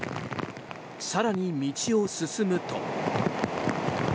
更に道を進むと。